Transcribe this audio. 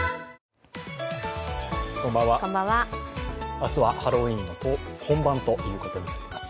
明日はハロウィーンの本番ということになります。